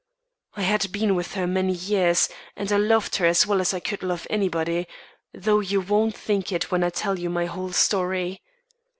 I had been with her many years, and I loved her as well as I could love anybody; though you won't think it when I tell you my whole story.